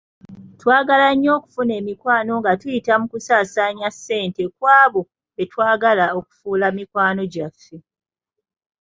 Twagala nnyo okufuna emikwano nga tuyita mu kusaasaanya ssente ku abo betwagala okufuula mikwano gyaffe.